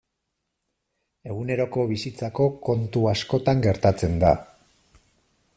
Eguneroko bizitzako kontu askotan gertatzen da.